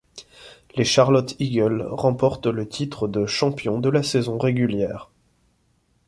Les Charlotte Eagles remportent le titre de champion de la saison régulière.